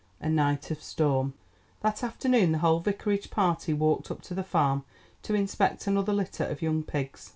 A NIGHT OF STORM That afternoon the whole Vicarage party walked up to the farm to inspect another litter of young pigs.